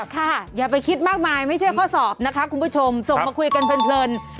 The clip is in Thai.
อย่าไปคิดมากมายไม่เชื่อข้อสอบนะคะคุณผู้ชมส่งมาคุยกันเพลิน